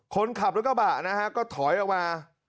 คนขับรถกระบะนะฮะก็ถอยออกมา